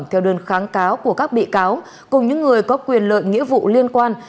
theo đơn kháng cáo của các bị cáo cùng những người có quyền lợi nghĩa vụ liên quan